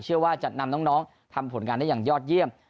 เชื่อว่าจะนำน้องทำผลงานได้อย่างยอดเยี่ยม